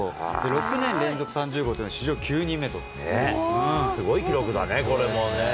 ６年連続３０号というのは、すごい記録だね、これもね。